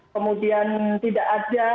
kemudian tidak ada